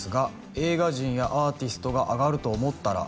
「映画人やアーティストがあがると思ったら」